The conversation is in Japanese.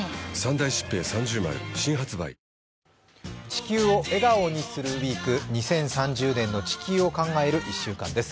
「地球を笑顔にするＷＥＥＫ」、２０３０年の地球を考える１週間です。